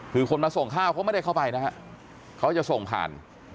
คือคนมาส่งข้าวเขาไม่ได้เข้าไปนะฮะเขาจะส่งผ่าน